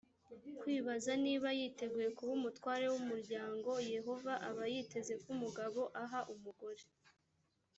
kwibaza niba yiteguye kuba umutware w umuryango yehova aba yiteze ko umugabo aha umugore